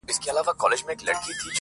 • دوست ته حال وایه دښمن ته لاپي -